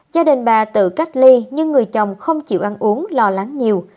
gia đình bà tự cách ly nhưng người chồng không chịu ăn uống lo lắng nhiều